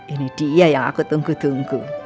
ini dia yang aku tunggu tunggu